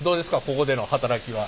ここでの働きは。